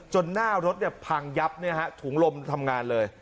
จนหน้ารถเนี่ยพังยับเนี่ยฮะถุงลมทำงานเลย